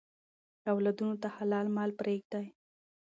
اولادونو ته حلال مال پریږدئ.